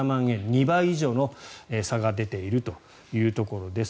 ２倍以上の差が出ているというところです。